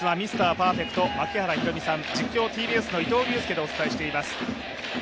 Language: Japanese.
パーフェクト槙原寛己さん、実況、ＴＢＳの伊藤隆佑でお伝えしています。